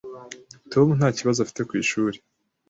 Tom nta kibazo afite ku ishuri.